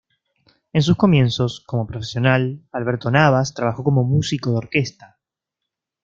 En sus comienzos como profesional, Alberto Navas trabajó como músico de orquesta.